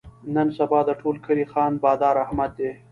نن سبا د ټول کلي خان بادار احمد دی.